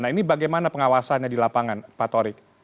nah ini bagaimana pengawasannya di lapangan pak torik